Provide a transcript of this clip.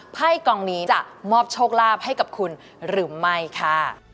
ไพ่กองนี้จะมอบโชคลาภให้กับคุณหรือไม่ค่ะ